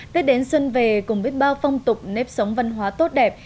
tết đến xuân về cùng với bao phong tục nếp sống văn hóa tốt đẹp